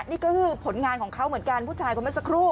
นี่ก็คือผลงานของเขาเหมือนกันผู้ชายคนเมื่อสักครู่